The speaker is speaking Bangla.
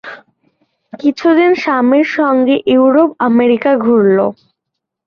কিছুদিন স্বামীর সঙ্গে ইউরোপ-আমেরিকা ঘুরল।